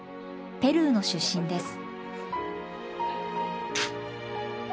ペルーの出身です。